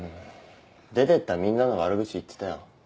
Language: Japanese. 出てったみんなの悪口言ってたよ。